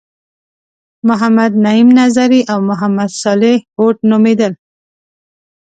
محمد نعیم نظري او محمد صالح هوډ نومیدل.